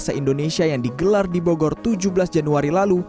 dalam rapat koordinasi nasional kepala daerah dan forum komunikasi pimpinan daerah